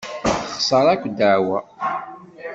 Texṣer akk ddeɛwa.